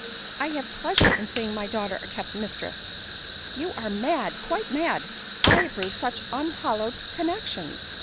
I have pleasure in seeing my daughter a kept mistress !— You are . mad, quite mad. 1 approve such unhallowed connexions